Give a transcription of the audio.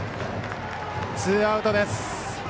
ツーアウトです。